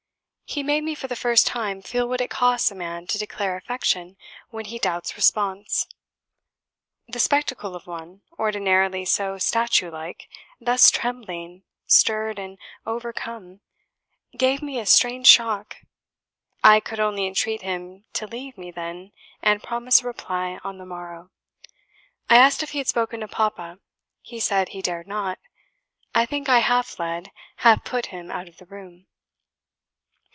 He made me, for the first time, feel what it costs a man to declare affection when he doubts response. ... The spectacle of one, ordinarily so statue like, thus trembling, stirred, and overcome, gave me a strange shock. I could only entreat him to leave me then, and promise a reply on the morrow. I asked if he had spoken to Papa. He said he dared not. I think I half led, half put him out of the room."